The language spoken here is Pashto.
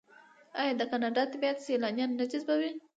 آیا د کاناډا طبیعت سیلانیان نه جذبوي؟